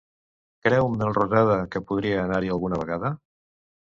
Creu Melrosada que podrà anar-hi alguna vegada?